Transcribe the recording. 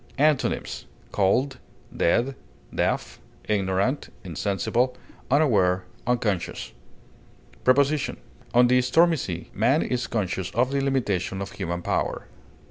Antonyms: cold, dead, deaf, ignorant, insensible, unaware, unconscious. Preposition: On the stormy sea, man is conscious of the limitation of human power.